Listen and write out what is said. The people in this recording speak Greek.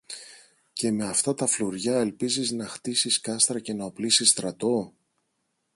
Και με αυτά τα φλουριά ελπίζεις να χτίσεις κάστρα και να οπλίσεις στρατό;